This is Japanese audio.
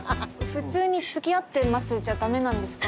普通につきあってますじゃダメなんですか？